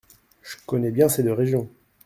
Je connais bien ces deux régions.